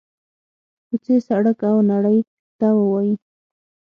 کوڅې، سړک او نړۍ ته ووايي: